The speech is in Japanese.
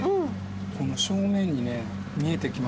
この正面にね見えてきました。